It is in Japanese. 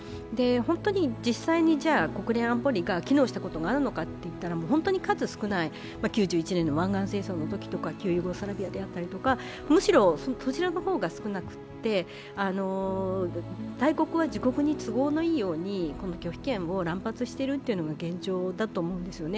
本当に実際に国連安保理が機能したことがあるのかといったら本当に数少ない、９１年の湾岸戦争とか旧ユーゴスラビアとかむしろそちらのほうが少なくて、大国は自国に都合のいいように拒否権を乱発しているのが現状だと思うんですね。